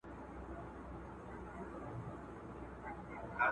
آيا تاسو هغه غونډه کي ګډون کړی و چي سوله پکښي يادېده؟